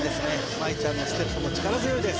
舞ちゃんのステップも力強いです